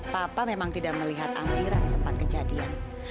papa memang tidak melihat amira di tempat kejadian